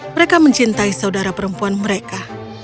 mereka mencintai saudara perempuan mereka